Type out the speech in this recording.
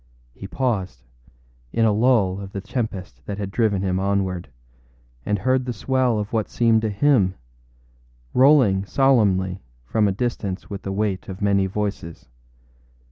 He paused, in a lull of the tempest that had driven him onward, and heard the swell of what seemed a hymn, rolling solemnly from a distance with the weight of many voices.